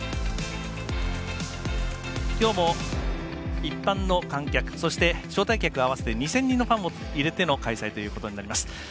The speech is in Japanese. きょうも一般の観客そして、招待客合わせて２０００人のファンを入れての開催ということになります。